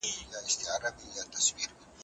ولي ځیني څېړني له خنډونو سره مخامخ کیږي؟